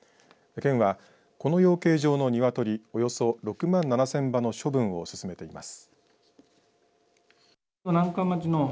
県は、この養鶏場のニワトリおよそ６万７０００羽の処分を進めています。